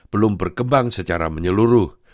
belum berkembang secara menyeluruh